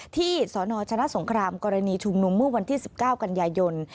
สนชนะสงครามกรณีชุมนุมเมื่อวันที่๑๙กันยายน